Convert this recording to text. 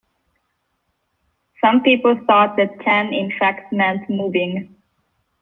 Some people thought that "tan" in fact meant "moving".